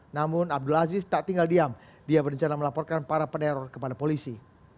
namun abdul aziz tak tinggal diam dia berencana melaporkan para peneror kepada polisi